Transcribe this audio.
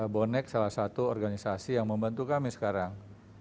bonek salah satu organisasi yang membantu kami sekarang